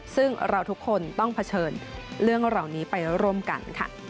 ซึ่งเราทุกคนต้องเผชิญเรื่องเหล่านี้ไปร่วมกันค่ะ